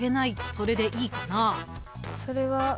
それでいいかな？